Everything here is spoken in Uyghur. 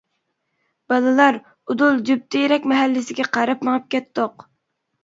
بالىلار ئۇدۇل جۈپ تېرەك مەھەللىسىگە قاراپ مېڭىپ كەتتۇق.